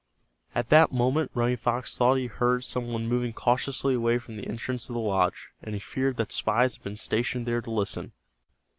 At that moment Running Fox thought he heard some one moving cautiously away from the entrance of the lodge, and he feared that spies had been stationed there to listen.